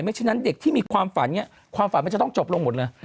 ฉะนั้นเด็กที่มีความฝันเนี่ยความฝันมันจะต้องจบลงหมดเลย